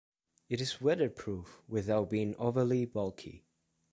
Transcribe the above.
It is weatherproof without being overly bulky.